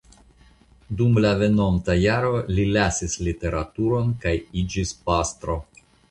Dum la venonta jaro li lasis literaturon kaj iĝis pastro.